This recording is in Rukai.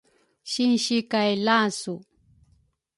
sinsi kay lasu